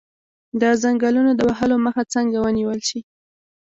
د ځنګلونو د وهلو مخه څنګه ونیول شي؟